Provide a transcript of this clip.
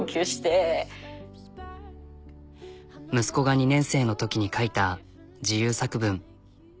息子が２年生のときに書いた自由作文。